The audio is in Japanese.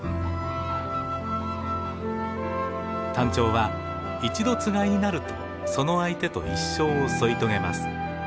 タンチョウは一度つがいになるとその相手と一生を添い遂げます。